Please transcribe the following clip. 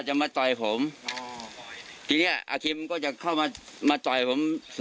จะมาต่อยผมอ๋อทีเนี้ยอาคิมก็จะเข้ามามาต่อยผม